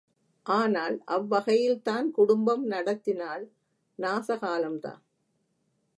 ஆனால் அவ்வகையில் தான் குடும்பம் நடத்தினால் நாசகாலம் தான்.